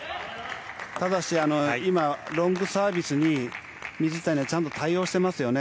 ただし、今ロングサービスに水谷はちゃんと対応していますよね。